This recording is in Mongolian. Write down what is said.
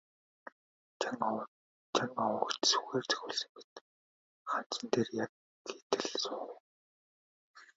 Жан овогт сүхээр цохиулсан мэт ханзан дээр яг хийтэл суув.